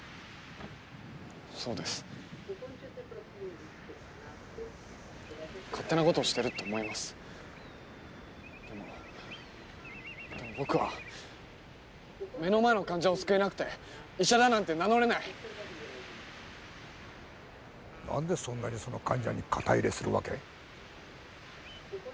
そうです勝手なことをしてると思いますでも僕は目の前の患者を救えなくて医者だなんて名乗れないなんでそんなにその患者に肩入れするわけ？